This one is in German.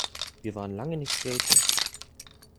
Wir waren lange nicht skaten.